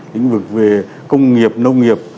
lĩnh vực về công nghiệp nông nghiệp